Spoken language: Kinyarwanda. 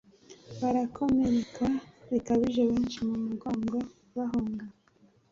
barakomereka bikabije benshi mu mugongo bahunga